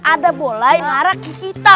ada bolai marah kita